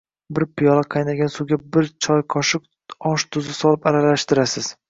Bir piyola qaynagan suvga bir choy qoshiq osh tuzi solib aralashtirasiz.